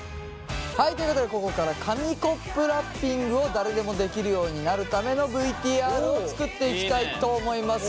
ということでここから紙コップラッピングを誰でも出来るようになるためのＶＴＲを作っていきたいと思います。